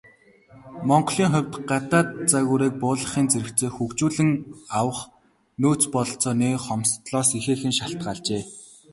Монголын хувьд, гадаад загварыг буулгахын зэрэгцээ хөгжүүлэн авах нөөц бололцооны хомсдолоос ихээхэн шалтгаалжээ.